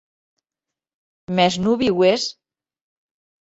Mès non viues?